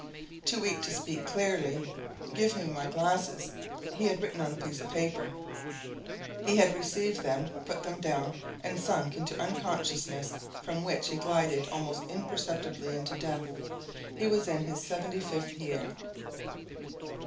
Too weak to speak clearly, "Give me my glasses," he had written on a piece of paper. He had received them, put them down, and sunk into unconsciousness from which he glided almost imperceptibly into death. He was in his seventy fifth year.